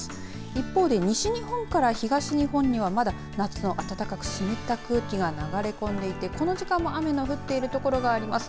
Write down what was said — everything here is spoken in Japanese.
一方で西日本から東日本にはまだ夏の暖かく湿った空気が流れ込んでいてこの時間も雨の降っている所があります。